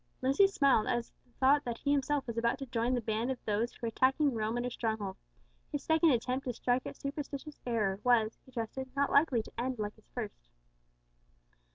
Lucius smiled at the thought that he himself was about to join the band of those who were attacking Rome in her stronghold; his second attempt to strike at superstitious error was, he trusted, not likely to end like his first.